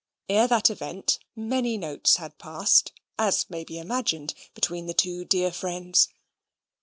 Ere that event, many notes had passed, as may be imagined, between the two dear friends.